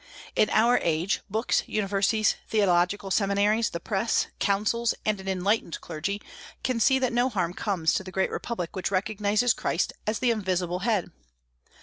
In our age books, universities, theological seminaries, the press, councils, and an enlightened clergy can see that no harm comes to the great republic which recognizes Christ as the invisible head.